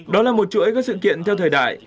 đó là một chuỗi các sự kiện theo thời đại